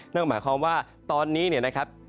นั่นหมายความว่าตอนนี้เนี่ยนะครับ